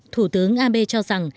thủ tướng abe cho rằng